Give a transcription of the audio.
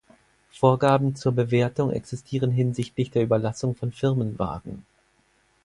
Vorgaben zur Bewertung existieren hinsichtlich der Überlassung von Firmenwagen.